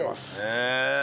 へえ！